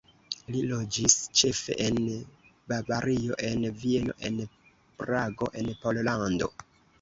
Li loĝis ĉefe en Bavario, en Vieno, en Prago, en Pollando.